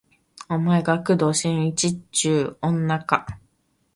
お前が工藤新一っちゅう女か